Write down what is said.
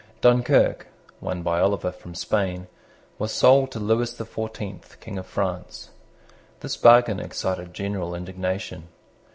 Dunkirk, won by Oliver from Spain, was sold to Lewis the Fourteenth, King of France. This bargain excited general indignation.